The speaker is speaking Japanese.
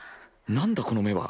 何だこの目は。